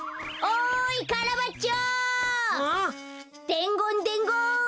でんごんでんごん！